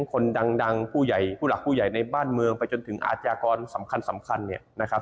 คนดังผู้หลักผู้ใหญ่ในบ้านเมืองไปจนถึงอาจยากรสำคัญเนี่ยนะครับ